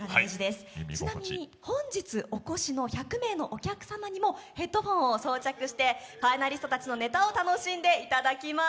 ちなみに、本日お越しの１００名のお客様にもヘッドホンを装着してファイナリストたちのネタを楽しんでいただきます。